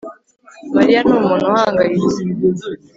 Mariya ni umuntu uhangayitse